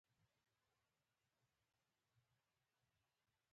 نجلۍ د نرمۍ او محبت څېره ده.